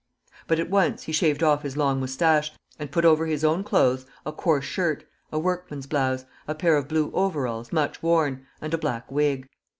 But at once he shaved off his long moustache, and put over his own clothes a coarse shirt, a workman's blouse, a pair of blue overalls much worn, and a black wig.